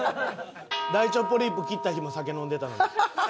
大腸ポリープ切った日も酒飲んでたのに。